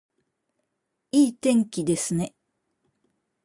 いい天気ですね